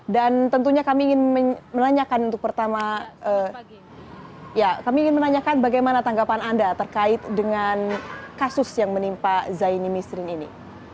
tentunya kami ingin menanyakan untuk pertama kami ingin menanyakan bagaimana tanggapan anda terkait dengan kasus yang menimpa zaini misrin ini